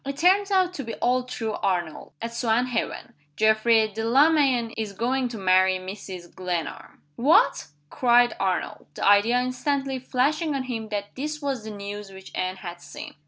"It turns out to be all true, Arnold, at Swanhaven. Geoffrey Delamayn is going to marry Mrs. Glenarm." "What!" cried Arnold; the idea instantly flashing on him that this was the news which Anne had seen.